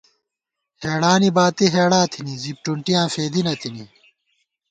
ہېڑانی باتی ہېڑا تھنی زِپ ٹُونٹِیاں فېدی نہ تِنی